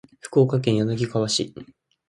福岡県柳川市